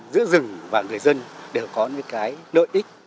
giữa rừng và người dân đều có những cái nợ ích